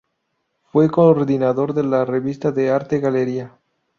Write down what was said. Fue coordinador de la revista de arte Galería.